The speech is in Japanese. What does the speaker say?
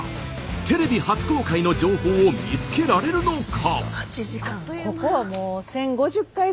テレビ初公開の情報を見つけられるのか？